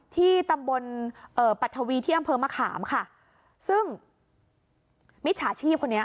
ที่ตำบลเอ่อปัททวีที่อำเภอมะขามค่ะซึ่งมิจฉาชีพคนนี้